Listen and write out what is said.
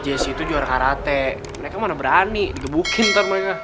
jessi itu juara karate mereka mana berani digebukin ntar mereka